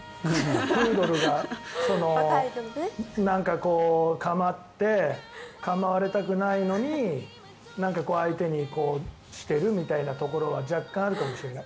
プードルが構って構われたくないのに相手にしてるみたいなところは若干あるかもしれない。